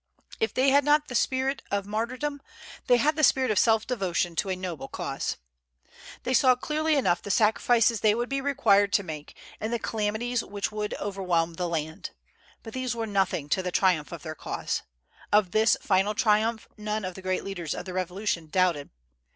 If they had not the spirit of martyrdom, they had the spirit of self devotion to a noble cause. They saw clearly enough the sacrifices they would be required to make, and the calamities which would overwhelm the land. But these were nothing to the triumph of their cause. Of this final triumph none of the great leaders of the Revolution doubted.